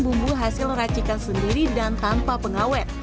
bumbu hasil racikan sendiri dan tanpa pengawet